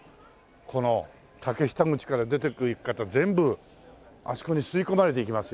この竹下口から出てくる方全部あそこに吸い込まれていきますよ。